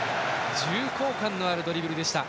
重厚感のあるドリブルでした。